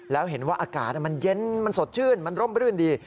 แล้วเห็นว่าอากาศมันเย็นมันสดชื่นมันร่มรื่นดี